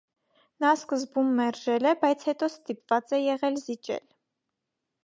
Նա սկզբում մերժել է, բայց հետո ստիպված է եղել զիջել։